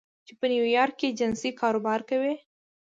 چې په نیویارک کې جنسي کاروبار کوي